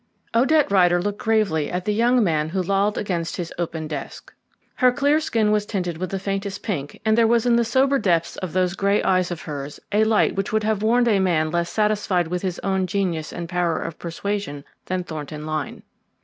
Odette Rider looked gravely at the young man who lolled against his open desk. Her clear skin was tinted with the faintest pink, and there was in the sober depths of those grey eyes of hers a light which would have warned a man less satisfied with his own genius and power of persuasion than Thornton Lyne.